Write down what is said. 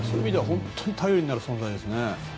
本当に頼りになる存在ですね。